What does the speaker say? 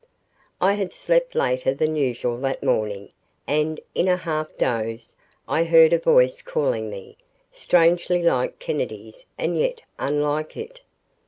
I had slept later than usual that morning and, in a half doze, I heard a voice calling me, strangely like Kennedy's and yet unlike it.